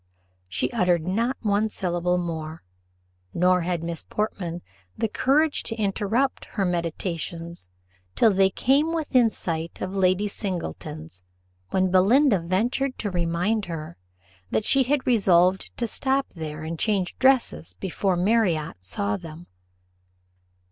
She uttered not one syllable more, nor had Miss Portman the courage to interrupt her meditations till they came within sight, of Lady Singleton's, when Belinda ventured to remind her that she had resolved to stop there and change dresses before Marriott saw them.